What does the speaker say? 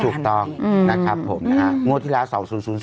ถูกต้องนะครับผมงวดที่ร้า๒๐๐๒